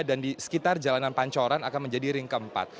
dan di sekitar jalanan pancoran akan menjadi ring keempat